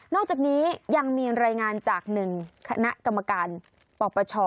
อกจากนี้ยังมีรายงานจาก๑คณะกรรมการปปช